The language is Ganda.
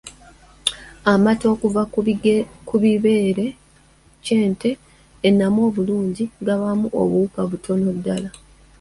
Amata okuva mu kibeere ky’ente ennamu obulungi gabaamu obuwuka butono ddala.